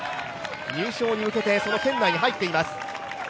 入賞に向けて、その圏内に入っています。